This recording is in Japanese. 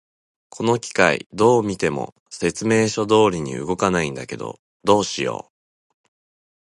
この機械、どう見ても説明書通りに動かないんだけど、どうしよう。